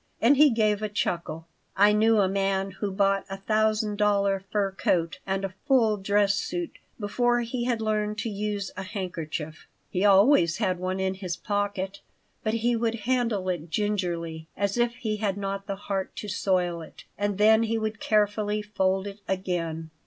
And he gave a chuckle I knew a man who bought a thousand dollar fur coat and a full dress suit before he had learned to use a handkerchief. He always had one in his pocket, but he would handle it gingerly, as if he had not the heart to soil it, and then he would carefully fold it again.